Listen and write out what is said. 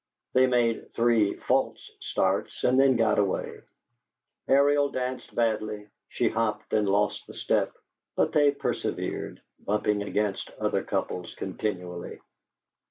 They made three false starts and then got away. Ariel danced badly; she hopped and lost the step, but they persevered, bumping against other couples continually.